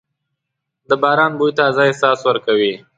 د باران بوی تازه احساس ورکوي.